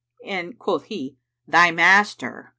and quoth he, "Thy master."